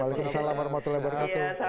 waalaikumsalam warahmatullahi wabarakatuh